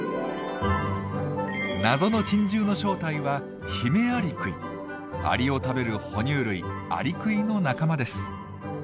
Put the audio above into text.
謎の珍獣の正体はアリを食べる哺乳類アリクイの仲間です。